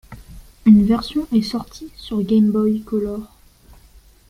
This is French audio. Une version est sortie sur Game Boy Color.